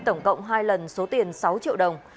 tổng cộng hai lần số tiền sáu triệu đồng